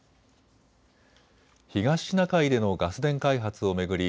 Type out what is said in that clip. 東シナ海でのガス田開発を巡り